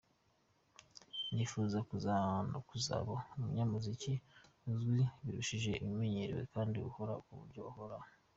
Nifuza kuzaba umunyamuziki uzwi birushije ibimenyerewe kandi ukora mu buryo buhoraho.